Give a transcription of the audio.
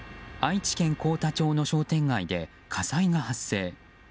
愛知県幸田町の商店街で火災が発生。